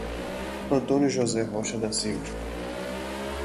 Antônio José Rocha da Silva